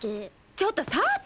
ちょっと幸！